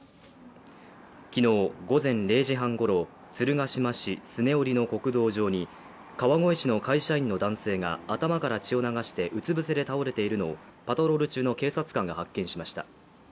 昨日午前０時半ごろ鶴ヶ島市脚折の国道上に川越市の会社員の男性が頭から血を流してうつぶせで倒れているのをパトロール中の警察官が発見しました。